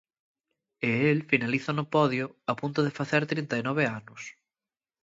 E el finaliza no podio a punto de facer trinta e nove anos.